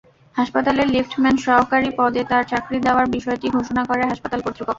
হাসপাতালের লিফটম্যান সহকারী পদে তাঁর চাকরি দেওয়ার বিষয়টি ঘোষণা করে হাসপাতাল কর্তৃপক্ষ।